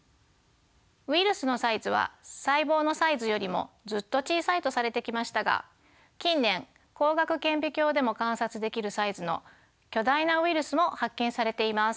ウイルスのサイズは細胞のサイズよりもずっと小さいとされてきましたが近年光学顕微鏡でも観察できるサイズの巨大なウイルスも発見されています。